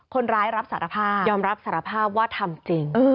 คนร้ายรับสารภาพยอมรับสารภาพว่าทำจริง